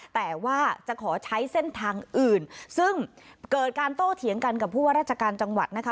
แต่ว่าจะขอใช้เส้นทางอื่นซึ่งเกิดการโต้เถียงกันกับผู้ว่าราชการจังหวัดนะคะ